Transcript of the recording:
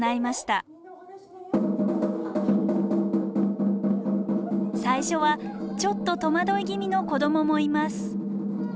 最初はちょっと戸惑い気味の子どももいます。